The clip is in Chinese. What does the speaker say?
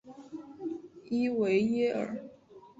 伊维耶尔。